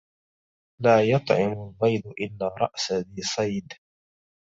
لا يطعم البيض إلا رأس ذي صيد